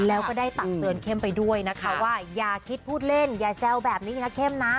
แล้วก็ได้ตักเตือนเข้มไปด้วยนะคะว่าอย่าคิดพูดเล่นอย่าแซวแบบนี้นะเข้มนะ